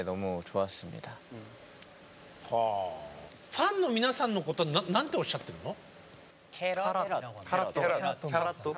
ファンの皆さんのこと何ておっしゃってるの？